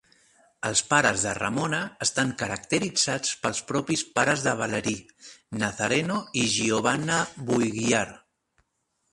Els pares de Ramona estan caracteritzats pels propis pares de Valerie, Nazareno i Giovanna Buhagiar.